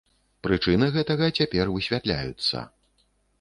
Прычыны гэтага цяпер высвятляюцца.